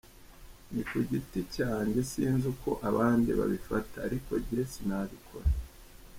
Ni ku giti cyanjye sinzi uko abandi babifata ariko njye sinabikora”.